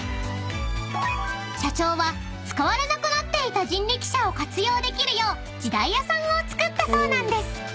［社長は使われなくなっていた人力車を活用できるよう時代屋さんをつくったそうなんです］